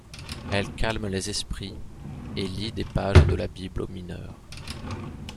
Elle calme les esprits, et lit des pages de la Bible aux mineurs.